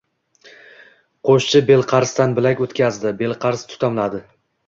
Qo‘shchi belqarsdan bilak o‘tkazdi. Belqars tutamladi.